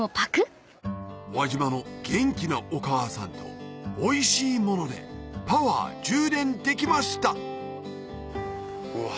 輪島の元気なお母さんとおいしいものでパワー充電できましたうわ